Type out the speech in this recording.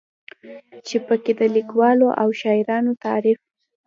چې پکې د ليکوالو او شاعرانو تعارف